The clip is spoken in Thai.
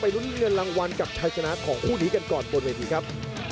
ลุ้นเงินรางวัลกับชายชนะของคู่นี้กันก่อนบนเวทีครับ